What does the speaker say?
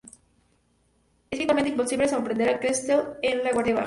Es virtualmente imposible sorprender a Castle con la guardia baja.